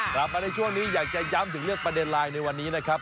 กลับมาในช่วงนี้อยากจะย้ำถึงเรื่องประเด็นไลน์ในวันนี้นะครับ